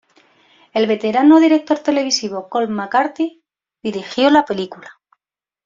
El veterano director televisivo Colm McCarthy dirigió la película.